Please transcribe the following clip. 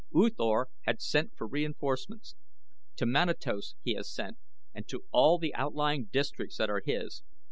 "U Thor has sent for reinforcements. To Manatos he has sent and to all the outlying districts that are his.